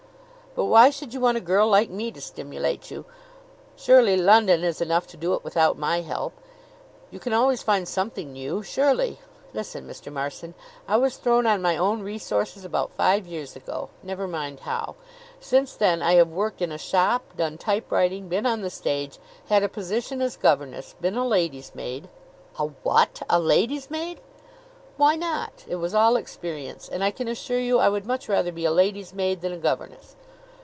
"But why should you want a girl like me to stimulate you? Surely London is enough to do it without my help? You can always find something new, surely? Listen, Mr. Marson. I was thrown on my own resources about five years ago never mind how. Since then I have worked in a shop, done typewriting, been on the stage, had a position as governess, been a lady's maid " "A what! A lady's maid?" "Why not? It was all experience; and I can assure you I would much rather be a lady's maid than a governess."